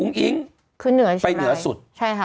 มิงไปเหนือสุด